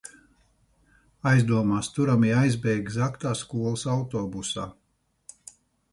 Aizdomās turamie aizbēga zagtā skolas autobusā.